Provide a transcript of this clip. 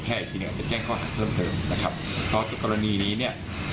แพทย์ทีหนึ่งจะแจ้งข้อหาเพิ่มเพิ่มนะครับเพราะตัวกรณีนี้